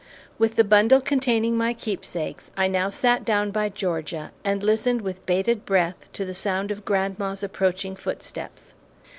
With the bundle containing my keepsakes, I now sat down by Georgia and listened with bated breath to the sound of grandma's approaching footsteps.